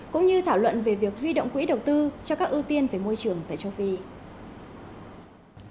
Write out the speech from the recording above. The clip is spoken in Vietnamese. cũng như thảo luận về việc huy động quỹ đầu tư cho các ưu tiên về môi trường tại châu phi